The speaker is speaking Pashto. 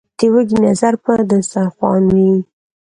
ـ د وږي نظر په دستر خوان وي.